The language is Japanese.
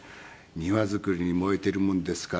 庭造りに燃えているもんですからまあ。